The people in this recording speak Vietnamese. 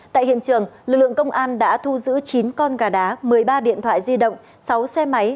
tại hiện trường lực lượng công an đã thu giữ chín con gà đá một mươi ba điện thoại di động sáu xe máy